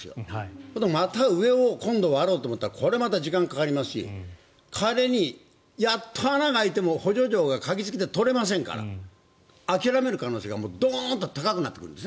そうするとまた上を今度、割ろうと思ったらこれまた時間がかかりますし仮にやっと穴が開いても補助錠が鍵付きで取れませんから諦める可能性がドンと高くなってくるんです。